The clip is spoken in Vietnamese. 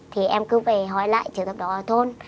thì em cứ về hỏi lại trường thập đó thôn